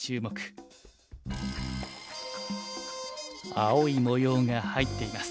青い模様が入っています。